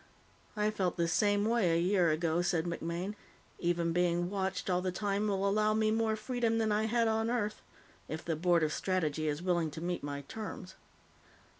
"I felt the same way a year ago," said MacMaine. "Even being watched all the time will allow me more freedom than I had on Earth if the Board of Strategy is willing to meet my terms."